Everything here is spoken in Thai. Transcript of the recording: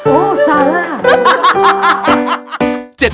โอ้ซาร่า